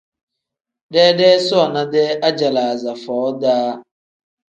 Deedee soona-dee ajalaaza foo -daa.